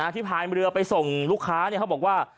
พายเรือไปส่งลูกค้าเขาบอกว่า